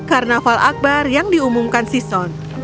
karnaval akbar yang diumumkan c zone